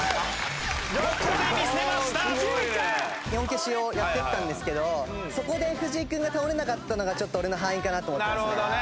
４消しをやってったんですけどそこで藤井君が倒れなかったのがちょっと俺の敗因かなと思ってますね。